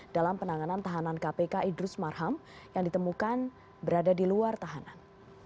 dalam penanganan tahanan kpk idrus marham yang ditemukan berada di luar tahanan